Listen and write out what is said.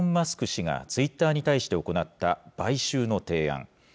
氏がツイッターに対して行った買収の提案。